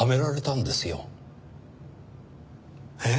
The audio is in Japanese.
えっ？